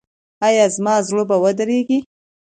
ایا زما زړه به ودریږي؟